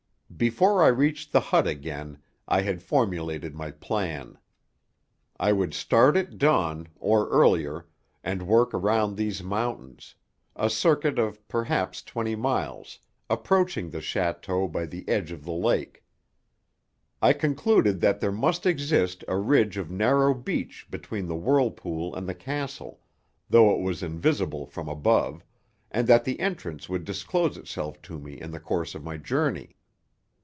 Before I reached the hut again I had formulated my plan. I would start at dawn, or earlier, and work around these mountains, a circuit of perhaps twenty miles, approaching the château by the edge of the lake. I concluded that there must exist a ridge of narrow beach between the whirlpool and the castle, though it was invisible from above, and that the entrance would disclose itself to me in the course of my journey.